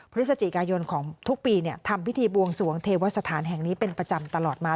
พฤศจิกายนของทุกปีทำพิธีบวงสวงเทวสถานแห่งนี้เป็นประจำตลอดมา